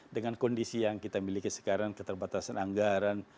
dengan kondisi yang kita miliki sekarang keterbatasan anggaran